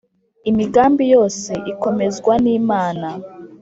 imigambi yose ikomezwa n’inama,